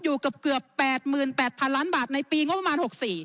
อยู่เกือบ๘๘๐๐๐ล้านบาทในปีงบประมาณ๖๔